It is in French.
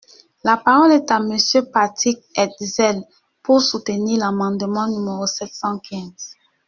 La parole est à Monsieur Patrick Hetzel, pour soutenir l’amendement numéro sept cent quinze.